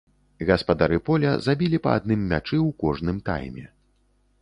Гаспадары поля забілі па адным мячы ў кожным тайме.